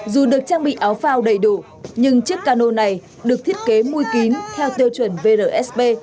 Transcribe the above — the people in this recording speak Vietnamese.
dù được trang bị áo phao đầy đủ nhưng chiếc cano này được thiết kế mùi kín theo tiêu chuẩn vrsb